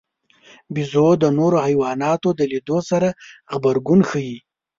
بیزو د نورو حیواناتو د لیدلو سره غبرګون ښيي.